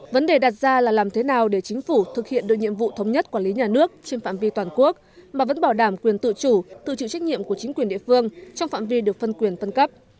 vấn đề đặt ra là làm thế nào để chính phủ thực hiện được nhiệm vụ thống nhất quản lý nhà nước trên phạm vi toàn quốc mà vẫn bảo đảm quyền tự chủ tự chịu trách nhiệm của chính quyền địa phương trong phạm vi được phân quyền phân cấp